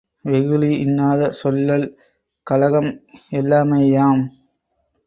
வெகுளி இன்னாத சொல்லல், கலகம் எல்லாமேயாம்.